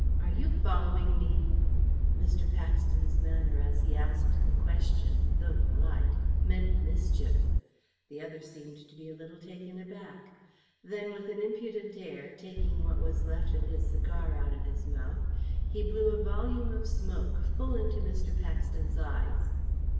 "Are you following me?" Mr. Paxton's manner as he asked the question, though polite, meant mischief. The other seemed to be a little taken aback. Then, with an impudent air, taking what was left of his cigar out of his mouth, he blew a volume of smoke full into Mr. Paxton's eyes.